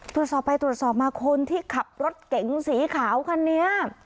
ตรวจสอบไปตรวจสอบมาคนที่ขับรถเก๋งสีขาวคันนี้